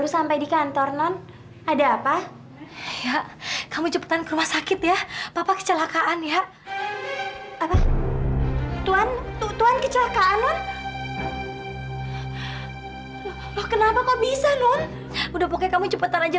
sampai jumpa di video selanjutnya